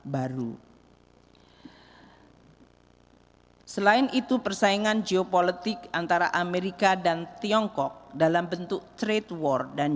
baru selain itu persaingan geopolitik antara amerika dan tiongkok dalam bentuk trade war dan